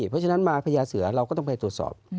เพราะฉะนั้นมาพญาเสือเราก็ต้องไปตรวจสอบ